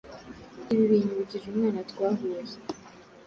Ibi binyibukije umwana twahuye